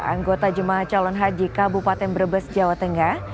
anggota jemaah calon haji kabupaten brebes jawa tengah